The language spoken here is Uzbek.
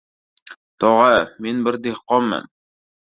— Tog‘a, men bir dehqonman.